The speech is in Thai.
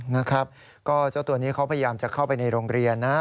นะครับก็เจ้าตัวนี้เขาพยายามจะเข้าไปในโรงเรียนนะ